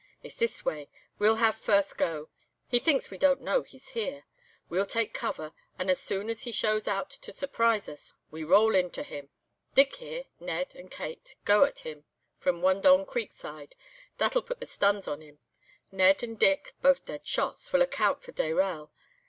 "'It's this way, we'll have first go. He thinks we don't know he's here. We'll take cover, and as soon as he shows out to surprise us, we roll into him. Dick here, Ned and Kate, go at him from Wandong Creek side. That'll put the stuns on him. Ned and Dick, both dead shots, will account for Dayrell.